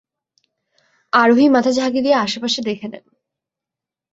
আরোহী মাথা ঝাঁকি দিয়ে আশেপাশে দেখে নেন।